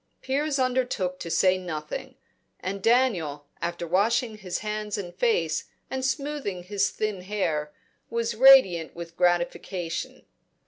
Piers undertook to say nothing; and Daniel after washing his hands and face, and smoothing his thin hair, was radiant with gratification.